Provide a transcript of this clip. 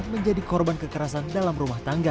menjadi korban kekerasan dalam rumah tangga